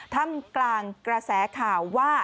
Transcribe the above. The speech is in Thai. ทำกลางกระแสข่าวว่า